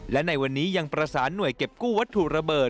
และในวันนี้ยังประสานหน่วยเก็บกู้วัตถุระเบิด